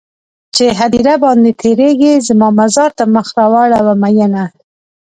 چې هديره باندې تيرېږې زما مزار ته مخ راواړوه مينه